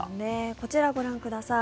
こちら、ご覧ください。